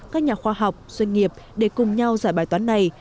các nhà khoa học doanh nghiệp để cùng nhau giải bài toán này